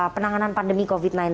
penanganan pandemi covid sembilan belas